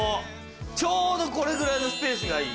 ちょうどこれぐらいのスペースがいい。